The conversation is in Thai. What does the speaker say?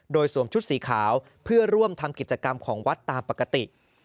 โดยสวมชุดสีขาวเพื่อร่วมทำกิจกรรมของวัดตามปกติ